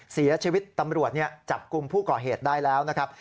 เสียชีวิตตำรวจจับกลุ่มผู้ก่อเหตุได้แล้วนะครับ